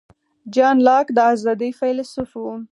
جان لاک د آزادۍ فیلیسوف و.